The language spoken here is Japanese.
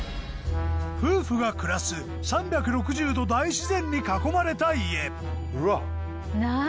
夫婦が暮らす３６０度大自然に囲まれた家うわ！